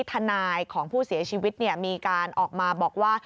ทนายของผู้เสียชีวิตมีการออกมาบอกว่า